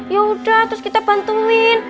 yaudah terus kita bantuin